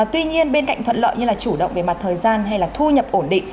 tuy nhiên bên cạnh thuận lợi như là chủ động về mặt thời gian hay là thu nhập ổn định